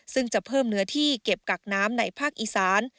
ซึ่งจะเพิ่มเนื้อที่เก็บกักน้ำในภาคอีสาน